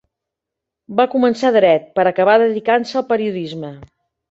Va començar Dret, per acabar dedicant-se al periodisme.